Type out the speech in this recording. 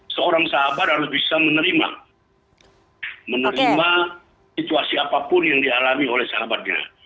seorang sahabat harus bisa menerima situasi apapun yang dialami oleh sahabatnya